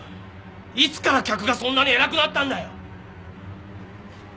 いつから客がそんなに偉くなったんだよ！